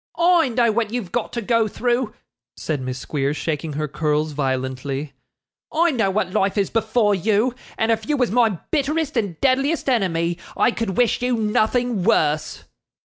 'I know what you've got to go through,' said Miss Squeers, shaking her curls violently. 'I know what life is before you, and if you was my bitterest and deadliest enemy, I could wish you nothing worse.